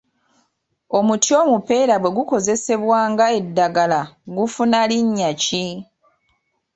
Omuti omupeera bwe gukozesebwa nga eddagala gufuna linnya ki?